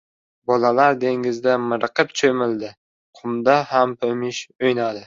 Bolalar dengizda miriqib choʻmildi, qumda hammompish oʻynadi.